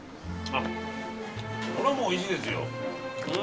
あっ、これはもうおいしいですよ。